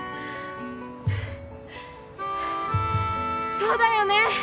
そうだよね！